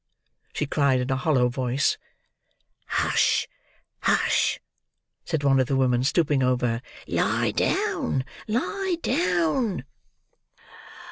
"Who's that?" she cried, in a hollow voice. "Hush, hush!" said one of the women, stooping over her. "Lie down, lie down!"